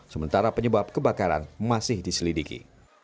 sementara penyebab kebakaran masih diselidiki